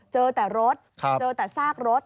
เจอแต่รถเจอแต่ซากรถ